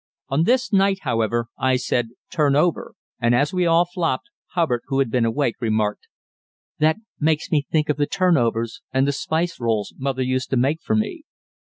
On this night, however, I said "turn over," and as we all flopped, Hubbard, who had been awake, remarked: "That makes me think of the turnovers and the spicerolls mother used to make for me."